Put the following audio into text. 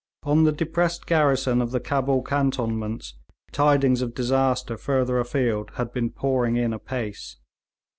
On the depressed garrison of the Cabul cantonments tidings of disaster further afield had been pouring in apace.